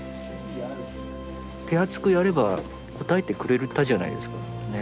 手厚くやれば応えてくれたじゃないですか。ね。